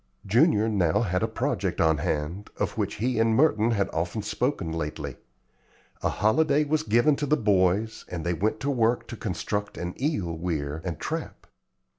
Junior now had a project on hand, of which he and Merton had often spoken lately. A holiday was given to the boys and they went to work to construct an eel weir and trap.